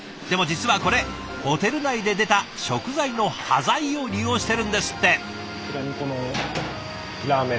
でも実はこれホテル内で出た食材の端材を利用してるんですって。